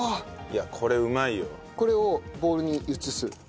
いやこれうまいよ。これをボウルに移す。